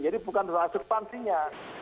jadi bukan soal substansinya